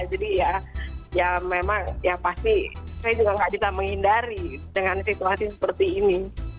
jadi ya memang ya pasti saya juga tidak bisa menghindari dengan situasi seperti ini